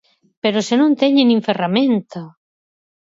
¡Pero se non teñen nin ferramenta!